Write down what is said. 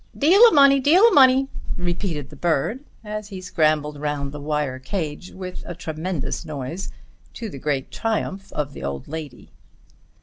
"Deal o' money, Deal o' money," repeated the bird as he scrambled round the wire cage with a tremendous noise, to the great triumph of the old lady.